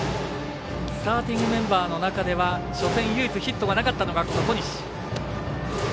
スターティングメンバーの中では初戦唯一ヒットがなかったのが小西。